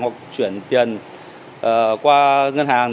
hoặc chuyển tiền qua ngân hàng